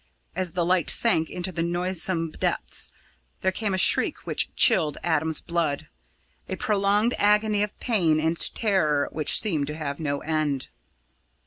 As the light sank into the noisome depths, there came a shriek which chilled Adam's blood a prolonged agony of pain and terror which seemed to have no end.